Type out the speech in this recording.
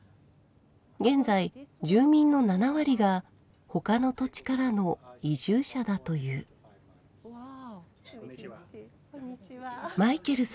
現在住民の７割がほかの土地からの移住者だというこんにちは。